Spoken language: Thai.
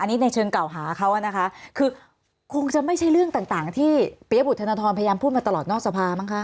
อันนี้ในเชิงเก่าหาเขานะคะคือคงจะไม่ใช่เรื่องต่างที่เปี๊ยบุธนทรพยายามพูดมาตลอดนอกสภามั้งคะ